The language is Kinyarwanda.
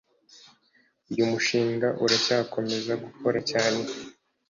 uyu mushinga uracyakomeza gukora cyane